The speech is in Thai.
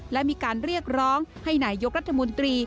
และมีการเรียกร้องให้นายยกรัฐมนตรี